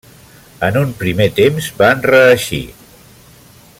En un primer temps van reeixir.